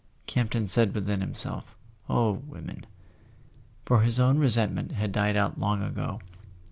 Campton said within himself: "Oh, women !" For his own resentment had died out long ago.